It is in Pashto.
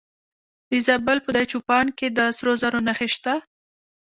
د زابل په دایچوپان کې د سرو زرو نښې شته.